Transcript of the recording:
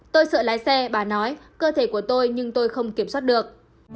tôi sợ lái xe bà nói cơ thể của tôi nhưng tôi không kiểm soát được